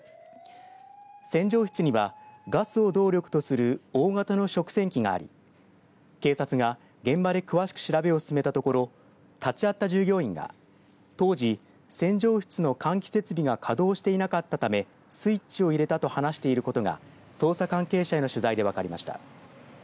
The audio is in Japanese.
洗浄室には、ガスを動力とする大型の食洗機があり警察が現場で詳しく調べを進めたところ立ち会った従業員が当時、洗浄室の換気設備が稼働していなかったためスイッチを入れたと話していることが捜査関係者への取材で分かりました。